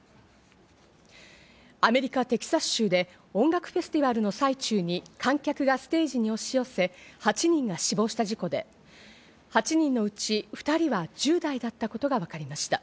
アメリカ・テキサス州で音楽フェスティバルの最中に観客がステージに押し寄せ、８人が死亡した事故で、８人のうち２人は１０代だったことがわかりました。